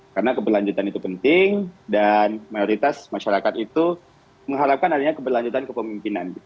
karena keberlanjutan itu penting dan mayoritas masyarakat itu mengharapkan adanya keberlanjutan kepemimpinan